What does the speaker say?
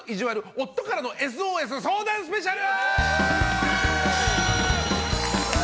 夫からのＳＯＳ相談スペシャル！